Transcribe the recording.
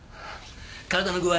体の具合